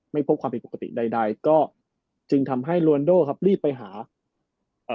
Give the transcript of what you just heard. ไม่พบความผิดปกติใดใดก็จึงทำให้ลวนโดครับรีบไปหาเอ่อ